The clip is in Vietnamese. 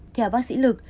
theo bác sĩ lực